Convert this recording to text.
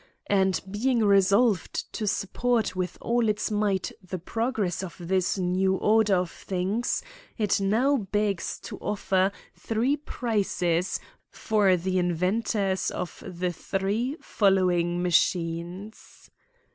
And being resolved to support with all its might the progress of this new order of things, it now begs to offer three prizes for the inventors of the three following machines.